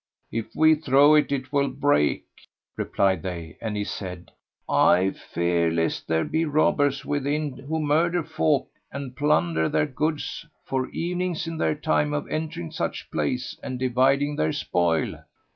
"If we throw it 'twill break," replied they; and he said, "I fear lest there be robbers within who murder folk and plunder their goods, for evening is their time of entering such places and dividing their spoil."